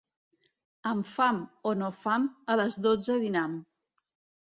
Amb fam, o no fam, a les dotze dinam.